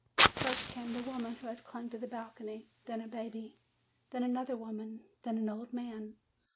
"First came the woman who had clung to the bal cony, then a baby, then another woman, then an old man.